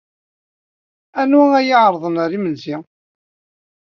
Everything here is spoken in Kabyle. Anwa ay d-ɛerḍen ɣer yimsensi?